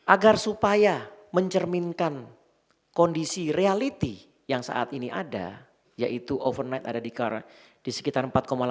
agar supaya mencerminkan kondisi reality yang saat ini ada yaitu overnight ada di sekitar empat delapan